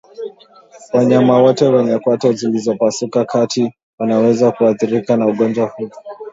Wanyama wote wenye kwato zilizopasuka kati wanaweza kuathiriwa na ugonjwa huu